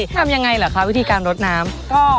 ทำยังไงเหรอคะวิธีการรดน้ำ